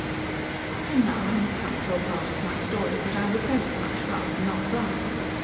XXI And now I have come to a part of my story that I would much rather not write.